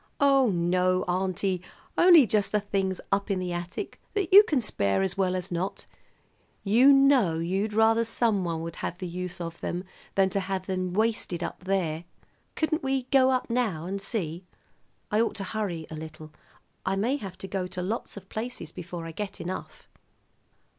"Oh, no, auntie, only just the things up in the attic that you can spare as well as not. You know you'd rather someone would have the use of them than to have them wasted up there. Couldn't we go up now and see? I ought to hurry a little. I may have to go to lots of places before I get enough."